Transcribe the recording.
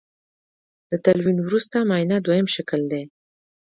د تلوین وروسته معاینه دویم شکل دی.